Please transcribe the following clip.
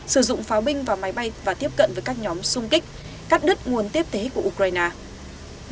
sử dụng pháo binh và máy bay và tiếp cận với các nhóm xung kích cắt đứt nguồn tiếp thế của ukraine